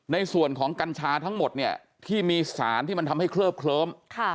ในส่วนของกัญชาทั้งหมดเนี่ยที่มีสารที่มันทำให้เคลิบเคลิ้ม